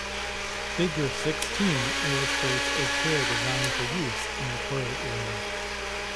Figure Sixteen illustrates a chair designed for use in a toilet room.